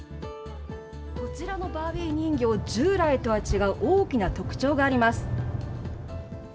こちらのバービー人形、従来とは違う大きな特徴があります。